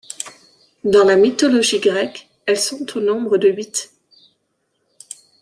Dans la mythologie grecque, elles sont au nombre de huit.